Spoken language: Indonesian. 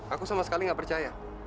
aku sama sekali nggak percaya